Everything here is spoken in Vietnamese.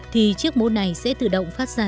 thì chiếc mũ này sẽ tự động phát ra